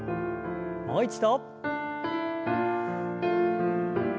もう一度。